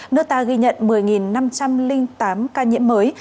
nước ta ghi nhận một mươi năm trăm linh tám ca nhiễm mới